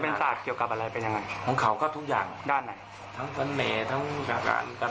เราเคยถามเขาถูกก็บอกว่า